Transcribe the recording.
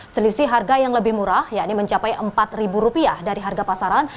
selisih harga yang lebih murah yakni mencapai rp empat dari harga pasaran